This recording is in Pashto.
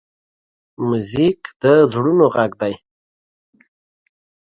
موزیک د زړونو غږ دی.